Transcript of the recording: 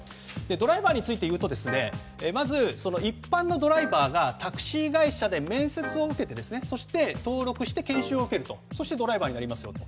ドライバーについていうとまず、一般のドライバーがタクシー会社で面接を受けてそして、登録をして研修を受けるとそしてドライバーになりますよと。